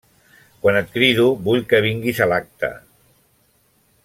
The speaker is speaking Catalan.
Quan et crido, vull que vinguis a l'acte!